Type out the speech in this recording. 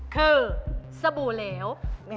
คือสบู่เหลว